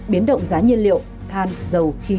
biến động giá nhiên liệu than dầu khí